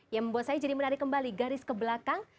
yang membuat saya jadi menarik kembali garis ke belakang